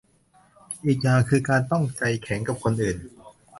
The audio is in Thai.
อีกอย่างคือการต้องใจแข็งกับคนอื่น